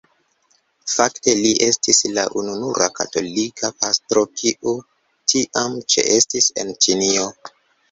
Fakte li estis la ununura katolika pastro kiu tiam ĉeestis en Ĉinio.